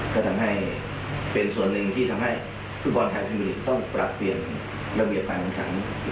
ก็ทำให้เป็นส่วนหนึ่งที่ทำให้ฝุ่ดบอลไทยภาษาบรรยาภิกษ์ต้องปรับเปลี่ยนระเบียบไปเป็นอย่างทั้ง